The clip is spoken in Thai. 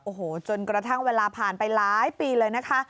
โอ้โหจนกระทั่งเวลาผ่านไปหลายปีเลยนะคะ